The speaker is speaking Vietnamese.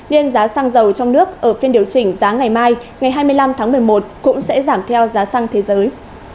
nên giá xăng dầu trong nước ở phiên điều chỉnh giá ngày mai ngày hai mươi năm tháng một mươi một cũng sẽ giảm theo giá xăng thế giới